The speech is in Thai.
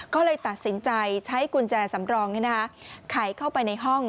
ก็เลยตัดสินใจใช้กุญแจสำรองไขเข้าไปในห้อง